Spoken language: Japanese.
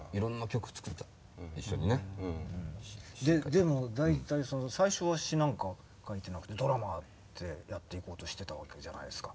でも大体最初は詞なんか書いてなくてドラマーでやっていこうとしてたわけじゃないですか。